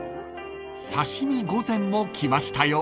［刺身御膳も来ましたよ］